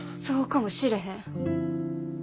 そうかもしれへん。